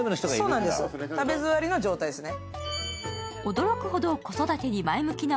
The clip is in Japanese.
食べづわりの状態ですね。